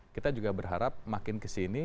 kita juga berharap makin kesini